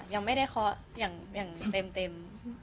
ยังไม่ได้เคาะอย่างเต็ม